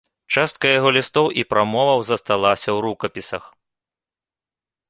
Частка яго лістоў і прамоваў засталася ў рукапісах.